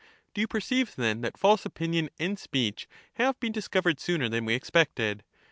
Do you perceive, then, that false opinion and speech Sophist. have been discovered sooner than we expected